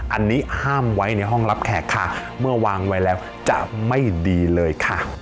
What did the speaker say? อันนี้ห้ามไว้ในห้องรับแขกค่ะเมื่อวางไว้แล้วจะไม่ดีเลยค่ะ